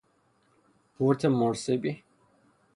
پورت مورسبی